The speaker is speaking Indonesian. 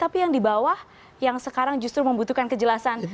tapi yang di bawah yang sekarang justru membutuhkan kejelasan